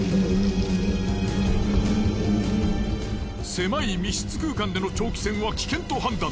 狭い密室空間での長期戦は危険と判断。